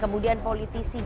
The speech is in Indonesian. kemudian politisi gian